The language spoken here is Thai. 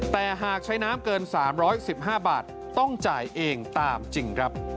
แต่หากใช้น้ำเกิน๓๑๕บาทต้องจ่ายเองตามจริงครับ